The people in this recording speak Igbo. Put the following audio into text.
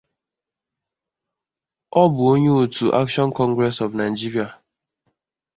O bu onye otu Action Congress of Nigeria.